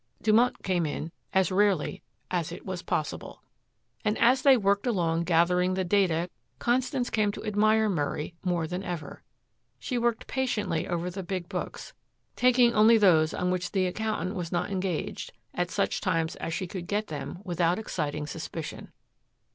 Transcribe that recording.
Dumont came in as rarely as it was possible. And as they worked along gathering the data Constance came to admire Murray more than ever. She worked patiently over the big books, taking only those on which the accountant was not engaged at such times as she could get them without exciting suspicion.